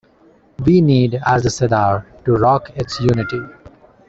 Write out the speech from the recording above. We need, as the cedar, to rock its unity".